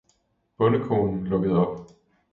Bondekonen lukkede op.